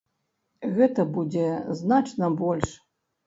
Гэта будзе значна больш.